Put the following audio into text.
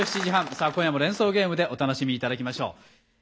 さあ今夜も「連想ゲーム」でお楽しみ頂きましょう。